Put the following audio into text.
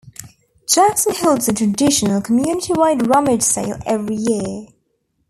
Jackson holds a traditional community wide rummage sale every year.